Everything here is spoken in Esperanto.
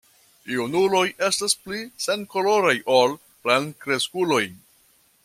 Junuloj estas pli senkoloraj ol plenkreskuloj.